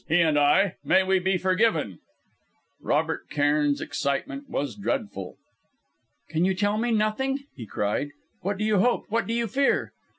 he and I may we be forgiven!"' Robert Cairn's excitement was dreadful. "Can you tell me nothing?" he cried. "What do you hope? What do you fear?"